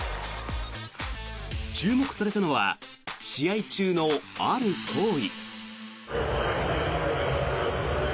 注目されたのは試合中のある行為。